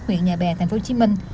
huyện nhà bè tp hcm